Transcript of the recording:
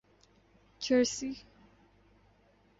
Jersey